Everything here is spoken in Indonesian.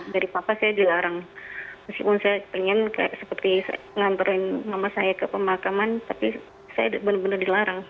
dari papa saya dilarang meskipun saya pengen seperti ngantarin mama saya ke pemakaman tapi saya benar benar dilarang